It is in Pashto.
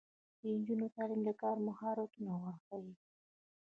د نجونو تعلیم د کار مهارتونه ورښيي.